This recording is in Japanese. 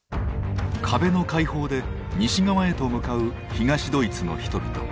壁の開放で西側へと向かう東ドイツの人々。